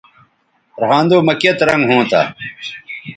رھاندو مہ کیئت رنگ ھونتہ